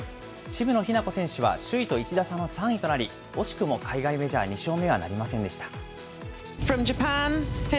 渋野日向子選手は首位と１打差の３位となり、惜しくも海外メジャー２勝目はなりませんでした。